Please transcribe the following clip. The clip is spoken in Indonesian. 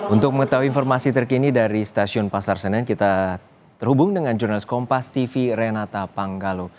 untuk mengetahui informasi terkini dari stasiun pasar senen kita terhubung dengan jurnalis kompas tv renata panggalo